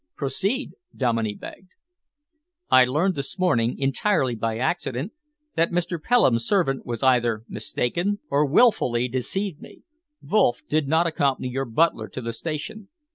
"Proceed," Dominey begged. "I learned this morning, entirely by accident, that Mr. Pelham's servant was either mistaken or willfully deceived me. Wolff did not accompany your butler to the station."